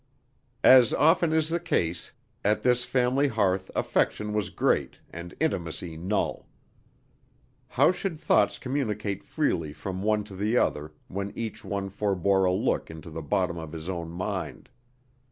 As often is the case, at this family hearth affection was great and intimacy null. How should thoughts communicate freely from one to the other when each one forbore a look into the bottom of his own mind?